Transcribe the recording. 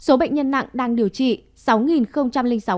số bệnh nhân nặng đang điều trị sáu sáu người